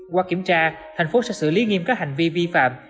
qua kiểm tra tp sẽ xử lý nghiêm các hành vi vi phạm